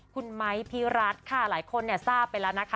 คุณไมค์พิรัตรหลายคนนี้ทราบไปแล้วนะคะ